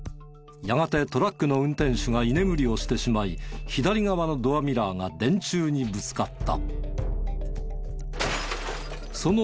やがてトラックの運転手が居眠りをしてしまい左側のドアミラーが電柱にぶつかった。